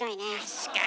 確かに。